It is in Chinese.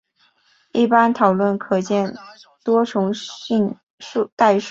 一般讨论可见多重线性代数。